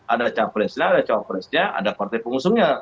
ada capresnya ada cawapresnya ada partai pengusungnya